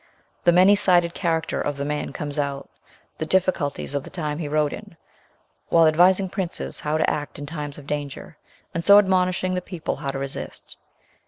The many sided character of the man comes out, the difficulties of the time he wrote in, while advising Princes how to act in times of danger, and so admonishing the people how to resist.